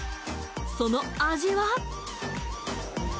その味は？